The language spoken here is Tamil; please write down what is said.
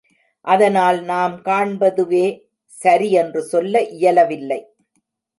அதனால் நாம் காண்பதுவே சரி என்று சொல்ல இயலவில்லை.